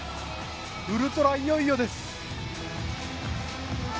ウルトラいよいよです！